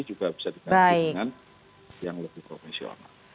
juga bisa diganti dengan yang lebih profesional